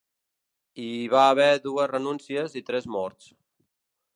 Hi va haver dues renúncies i tres morts.